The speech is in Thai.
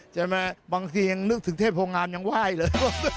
ใช่ไหมบางทียังนึกถึงเทพโภงงามยังไหว้เลย